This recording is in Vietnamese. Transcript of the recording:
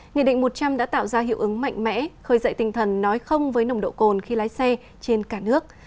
nghị định một trăm linh đã tạo ra hiệu ứng mạnh mẽ khơi dậy tinh thần nói không với nồng độ cồn khi lái xe trên cả nước